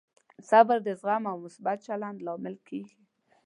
صبر د زغم او مثبت چلند لامل کېږي.